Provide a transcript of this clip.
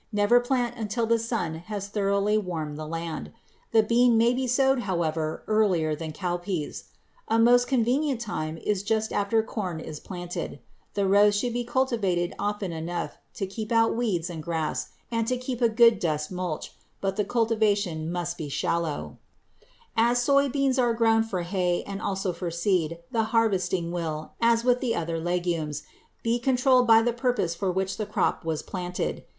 Never plant until the sun has thoroughly warmed the land. The bean may be sowed, however, earlier than cowpeas. A most convenient time is just after corn is planted. The rows should be cultivated often enough to keep out weeds and grass and to keep a good dust mulch, but the cultivation must be shallow. [Illustration: FIG. 237. SOY BEANS] As soy beans are grown for hay and also for seed, the harvesting will, as with the other legumes, be controlled by the purpose for which the crop was planted.